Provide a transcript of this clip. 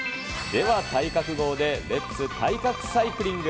では、体格号で、レッツ・体格サイクリング。